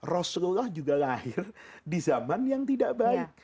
rasulullah juga lahir di zaman yang tidak baik